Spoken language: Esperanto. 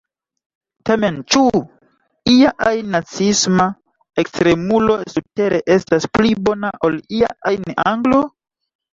Tamen: ĉu ia ajn naciisma ekstremulo surtere estas pli bona ol ia ajn anglo?